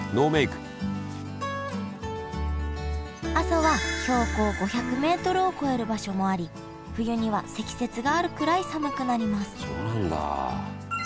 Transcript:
阿蘇は標高５００メートルを超える場所もあり冬には積雪があるくらい寒くなります